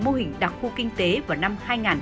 mô hình đặc khu kinh tế vào năm hai nghìn hai mươi